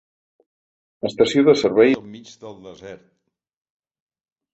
Estació de servei al mig del desert.